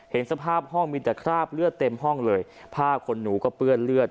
เห็นสภาพห้องมีแต่คราบเลือดเต็มห้องเลยผ้าคนหนูก็เปื้อนเลือด